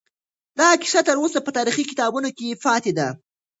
دا کیسه تر اوسه په تاریخي کتابونو کې پاتې ده.